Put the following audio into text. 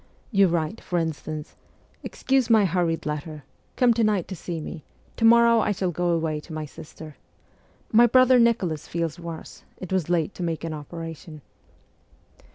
You write, for instance :' Excuse my hurried letter. Come to night to see me ; to morrow I shall go away to my sister. My brother Nicholas feels worse ; it was late to make an operation.'